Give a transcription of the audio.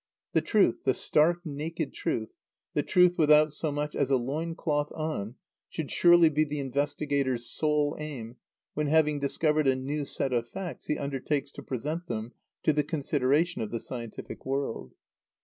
The truth, the stark naked truth, the truth without so much as a loin cloth on, should surely be the investigator's sole aim when, having discovered a new set of facts, he undertakes to present them to the consideration of the scientific world.